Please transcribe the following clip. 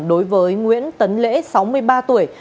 đối với nguyễn tấn lễ sáu mươi ba tuổi